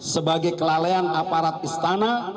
sebagai kelalaian aparat istana